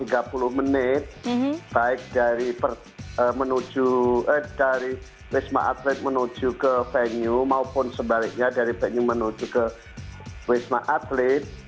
tiga puluh menit baik dari wisma atlet menuju ke venue maupun sebaliknya dari venue menuju ke wisma atlet